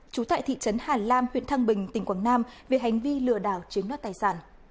chú tại thị trấn hàn lam huyện thăng bình tỉnh quảng nam về hành vi lừa đảo chiếm đoát tài sản